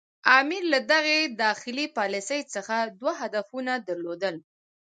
امیر له دغې داخلي پالیسي څخه دوه هدفونه درلودل.